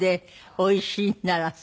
おいしいんならさ。